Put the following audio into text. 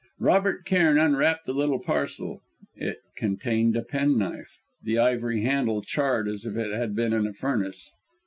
Robert Cairn unwrapped the little parcel. It contained a penknife, the ivory handle charred as if it had been in a furnace.